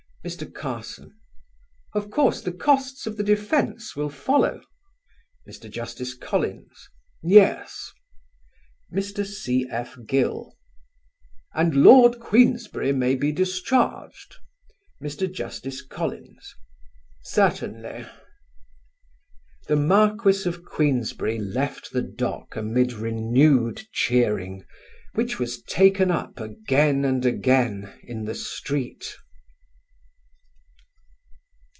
Mr. Carson: "Of course the costs of the defence will follow?" Mr. Justice Collins: "Yes." Mr. C.F. Gill: "And Lord Queensberry may be discharged?" Mr. Justice Collins: "Certainly." The Marquis of Queensberry left the dock amid renewed cheering, which was taken up again and again in the street.